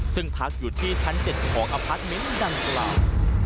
ซึ่งพักอยู่ที่ชั้น๗ของอพาร์ทเมนต์ดังกล่าว